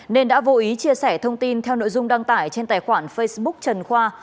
nên đã vô ý chia sẻ thông tin theo nội dung đăng tải trên tài khoản facebook trần khoa